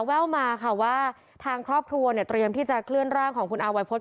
แว่วมาค่ะว่าทางครอบครัวเนี่ยเตรียมที่จะเคลื่อนร่างของคุณอาวัยพฤษ